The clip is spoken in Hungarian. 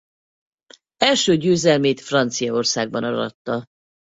Első győzelmét Franciaországban aratta.